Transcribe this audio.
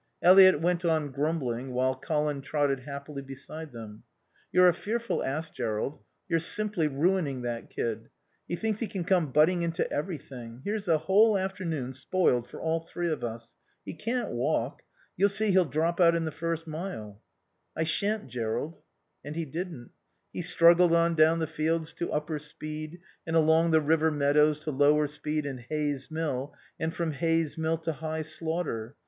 Eliot went on grumbling while Colin trotted happily beside them. "You're a fearful ass, Jerrold. You're simple ruining that kid. He thinks he can come butting into everything. Here's the whole afternoon spoiled for all three of us. He can't walk. You'll see he'll drop out in the first mile." "I shan't, Jerrold." And he didn't. He struggled on down the fields to Upper Speed and along the river meadows to Lower Speed and Hayes Mill, and from Hayes Mill to High Slaughter.